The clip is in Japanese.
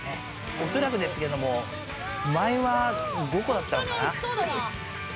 おそらくですけれども、前はどこだったのかな？